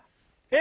え